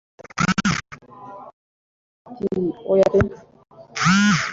cyntia nawe ati oya pe